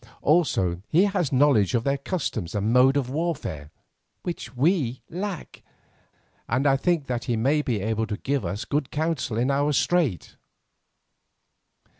Also he has knowledge of their customs and mode of warfare, which we lack, and I think that he may be able to give us good counsel in our strait."